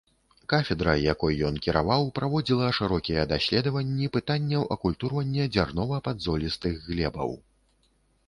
Кафедра, якой ён кіраваў, праводзіла шырокія даследаванні пытанняў акультурвання дзярнова-падзолістых глебаў.